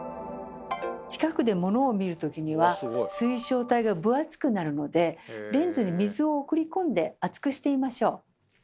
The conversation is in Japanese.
近くでモノを見るときには水晶体が分厚くなるのでレンズに水を送り込んで厚くしてみましょう。